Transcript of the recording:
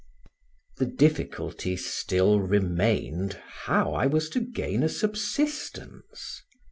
The difficulty still remained how I was to gain a subsistence?